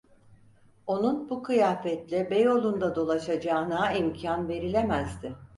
Onun bu kıyafette Beyoğlu’nda dolaşacağına imkân verilemezdi.